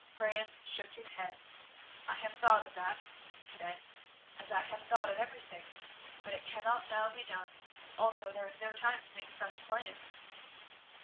Brant shook his head. "I have thought of that," he said, "as I have thought of everything, but it cannot now be done; also there is no time to make fresh plans."